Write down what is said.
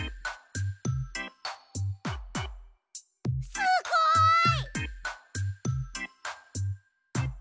すごい！